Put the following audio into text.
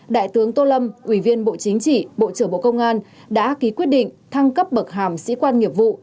đại tướng tô lâm ủy viên bộ chính trị bộ trưởng bộ công an đã ký quyết định thăng cấp bậc hàm sĩ quan nghiệp vụ